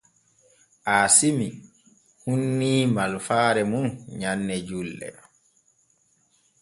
Aasimi huunii malfaare mum nyanne julɗe.